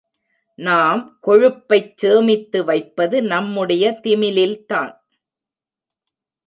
நாம் கொழுப்பைச் சேமித்து வைப்பது நம்முடைய திமிலில்தான்.